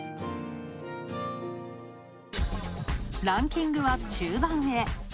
ランキングは中盤へ。